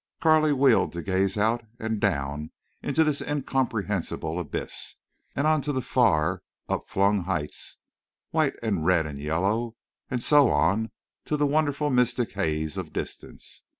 Carley wheeled to gaze out and down into this incomprehensible abyss, and on to the far up flung heights, white and red and yellow, and so on to the wonderful mystic haze of distance.